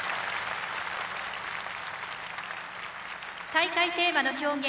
大会テーマの表現